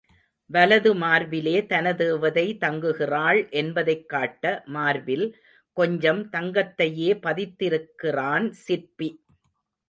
வலது மார்பிலே தனதேவதை தங்குகிறாள் என்பதைக் காட்ட மார்பில் கொஞ்சம் தங்கத்தையே பதித்திருக்கிறான் சிற்பி.